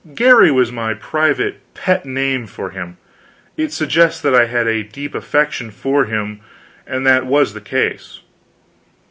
Garry was my private pet name for him; it suggests that I had a deep affection for him, and that was the case.